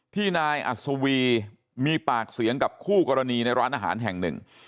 ที่นายอัศวีมีปากเสียงกับคู่กรณีในร้านอาหารแห่งหนึ่ง